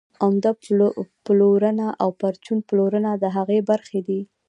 عمده پلورنه او پرچون پلورنه د هغې برخې دي